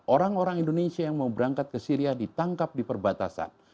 orang orang indonesia yang mau berangkat ke syria ditangkap di perbatasan